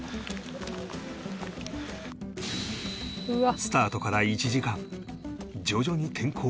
スタートから１時間徐々に天候が悪化